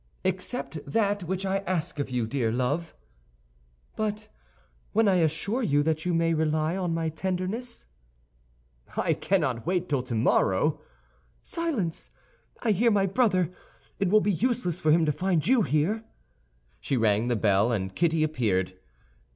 "Except that which I ask of you, dear love." "But when I assure you that you may rely on my tenderness?" "I cannot wait till tomorrow." "Silence! I hear my brother. It will be useless for him to find you here." She rang the bell and Kitty appeared.